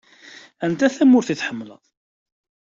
Anta tamarut i tḥemmleḍ?